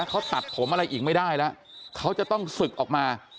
เขาตัดผมอะไรอีกไม่ได้แล้วเขาจะต้องศึกออกมา